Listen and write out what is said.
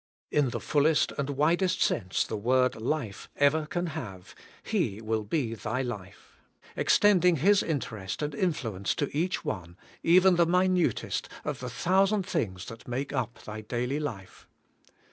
In the fullest and widest sense the word life ever can have. He will be thy life^ extending His interest and influence to each one, even the minutest, of the thou sand things that make up thy daily life.